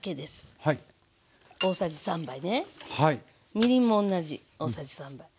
みりんも同じ大さじ３。